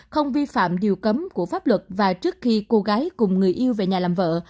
không vi phạm điều cấm của pháp luật và trước khi cô gái cùng người yêu về nhà làm vợ